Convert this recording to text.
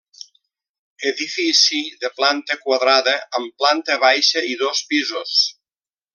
Edifici de planta quadrada amb planta baixa i dos pisos.